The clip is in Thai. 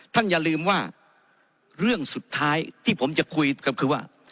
อย่าลืมว่าเรื่องสุดท้ายที่ผมจะคุยก็คือว่า